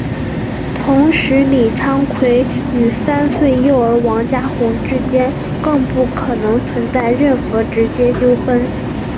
同时李昌奎与三岁幼儿王家红之间更不可能存在任何直接纠纷。